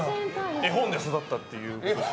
絵本で育ったっていう。